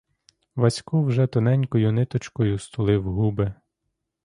Васько вже тоненькою ниточкою стулив губи.